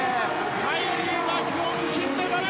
カイリー・マキュオン金メダル！